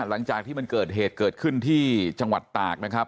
หลังจากที่มันเกิดเหตุเกิดขึ้นที่จังหวัดตากนะครับ